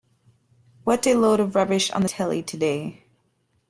What a load of rubbish on the telly today.